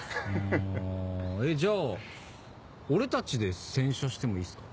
あえっじゃあ俺たちで洗車してもいいっすか？